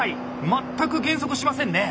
全く減速しませんね。